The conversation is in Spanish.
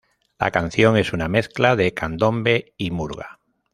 La canción es una mezcla de candombe y murga.